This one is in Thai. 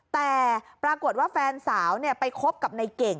แต่ปรากฏว่าแฟนสาวไปคบกับในเก่ง